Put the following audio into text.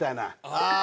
ああ！